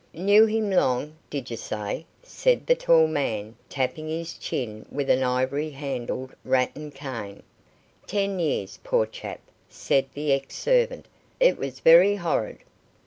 "Knew him how long, did you say?" said the tall man, tapping his chin with an ivory handled rattan cane. "Ten years, poor chap," said the ex servant. "It was very horrid."